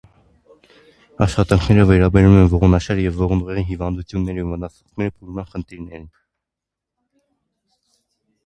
Աշխատանքները վերաբերում են ողնաշարի և ողնուղեղի հիվանդություններին ու վնասվածքների բուժման խնդիրնրին։